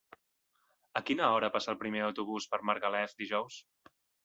A quina hora passa el primer autobús per Margalef dijous?